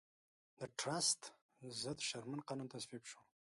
د ټراست ضد شرمن قانون تصویب شو.